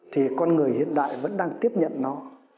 thì con người hiện đại vẫn đang tiếp nhận nó